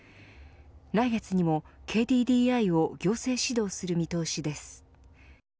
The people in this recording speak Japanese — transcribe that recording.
来月にもＫＤＤＩを行政指導する見通しです。